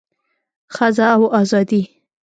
ښځه او ازادي